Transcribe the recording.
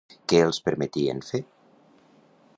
Què els permetien fer?